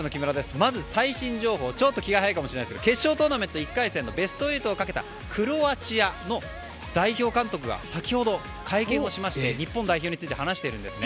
まず、最新情報ちょっと気が早いかもしれませんが決勝トーナメント１回戦のベスト８をかけたクロアチアの代表監督が先ほど会見をして日本代表について話しているんですね。